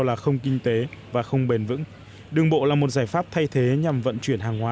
là không kinh tế và không bền vững đường bộ là một giải pháp thay thế nhằm vận chuyển hàng hóa